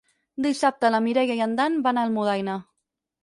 Dissabte na Mireia i en Dan van a Almudaina.